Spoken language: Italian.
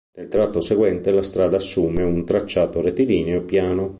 Nel tratto seguente la strada assume un tracciato rettilineo e piano.